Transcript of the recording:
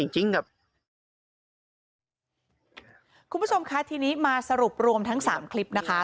คุณผู้ชมคะทีนี้มาสรุปรวมทั้งสามคลิปนะคะ